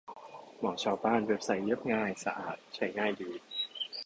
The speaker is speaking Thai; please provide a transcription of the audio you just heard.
หมอชาวบ้าน เว็บไซต์เรียบง่าย สะอาด ใช้ง่ายดี